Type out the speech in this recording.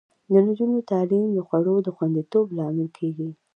د نجونو تعلیم د خوړو د خوندیتوب لامل کیږي.